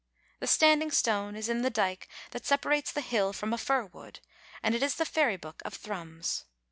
The Standing Stone is in the dyke that separates the hill from a fir wood, and it is the fairy book of Thrums.